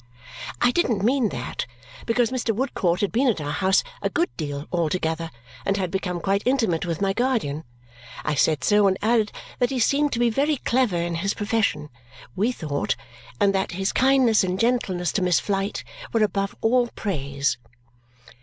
I didn't mean that, because Mr. Woodcourt had been at our house a good deal altogether and had become quite intimate with my guardian. I said so, and added that he seemed to be very clever in his profession we thought and that his kindness and gentleness to Miss Flite were above all praise.